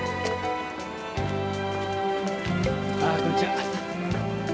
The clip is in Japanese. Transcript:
ああこんにちは。